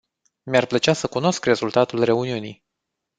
Mi-ar plăcea să cunosc rezultatul reuniunii.